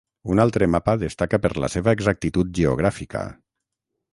Un altre mapa destaca per la seva exactitud geogràfica.